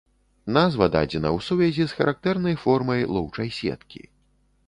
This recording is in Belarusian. Назва дадзена ў сувязі з характэрнай формай лоўчай сеткі.